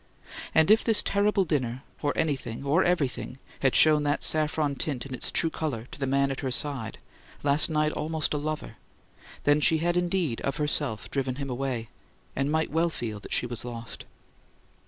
And, if this terrible dinner, or anything, or everything, had shown that saffron tint in its true colour to the man at her side, last night almost a lover, then she had indeed of herself driven him away, and might well feel that she was lost.